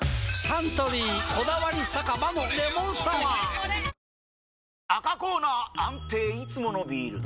サントリー「こだわり酒場のレモンサワー」赤コーナー安定いつものビール！